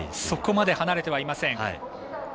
そこまで離れてはいません。